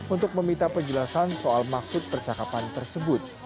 untuk meminta penjelasan soal maksud percakapan tersebut